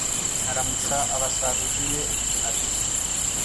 aramutsa abasaruzi be, ati